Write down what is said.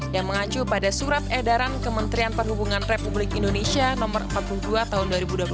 yang mengacu pada surat edaran kementerian perhubungan republik indonesia no empat puluh dua tahun dua ribu dua puluh satu